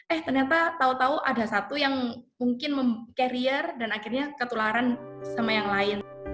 eh ternyata tahu tahu ada satu yang mungkin memperoleh karier dan akhirnya ketularan sama yang lain